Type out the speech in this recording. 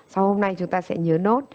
sau hôm nay chúng ta sẽ nhớ